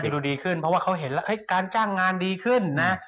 ดูดีขึ้นเพราะว่าเขาเห็นแล้วการจ้างงานดีขึ้นนะ